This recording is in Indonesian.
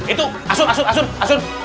itu asur asur asur